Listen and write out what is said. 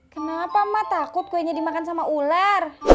kenapa mak takut kuenya dimakan sama ular